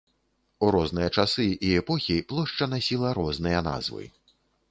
У розныя часы і эпохі плошча насіла розныя назвы.